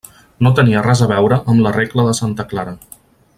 No tenia res a veure amb la regla de santa Clara.